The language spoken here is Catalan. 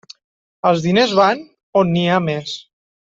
Els diners van on n'hi ha més.